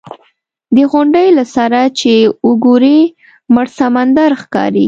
د غونډۍ له سره چې وګورې مړ سمندر ښکاري.